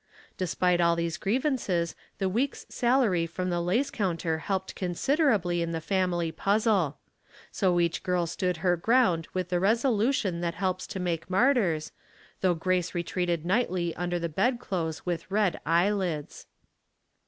Despite all these grievances the week's salary from the lace counter helped considerably in the family puzzle. So each girl stood her ground with the resolution that helps to make martyrs, though Grace re treated nightly under the bedclothes with red eyelids.